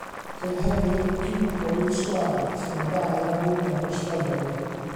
Ceir hefyd giwboid sgwâr, lle mae dau arwyneb yn sgwariau.